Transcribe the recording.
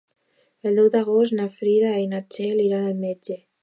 El deu d'agost na Frida i na Txell iran al metge.